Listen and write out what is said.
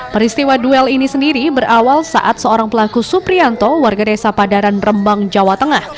peristiwa duel ini sendiri berawal saat seorang pelaku suprianto warga desa padaran rembang jawa tengah